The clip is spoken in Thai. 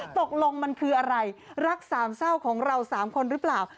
ตกลงมันคืออะไรรักสามเศร้าของเราสามคนหรือเปล่า